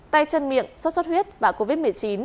tài chân miệng sốt sốt huyết và covid một mươi chín